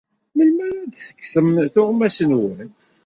Melmi ara ad tekksem tuɣmas-nwen?